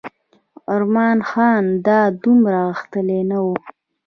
عمرا خان لا دومره غښتلی نه و.